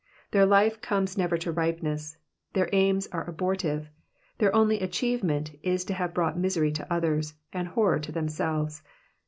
Their life comes never to ripeness, their aims are abortive, their only achievement is to have brought misery to others, and horror to themselves.